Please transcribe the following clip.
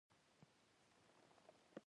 د امیر محمد اعظم خان دربار ته له راتللو مخکې.